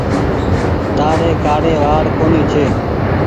تآري ڪآڙي وآڙ ڪونيٚ ڇي۔